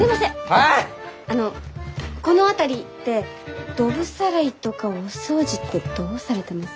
あのこの辺りってドブさらいとかお掃除ってどうされてます？